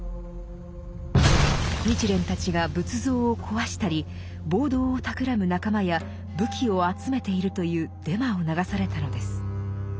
日蓮たちが仏像を壊したり暴動をたくらむ仲間や武器を集めているというデマを流されたのです。